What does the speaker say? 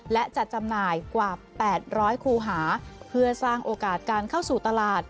และจัดจำหน่ายกว่า๘๐๐คูหาเพื่อสร้างโอกาสการเข้าสู่ตลาด